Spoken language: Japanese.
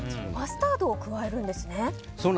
マスタードを加えるんですね。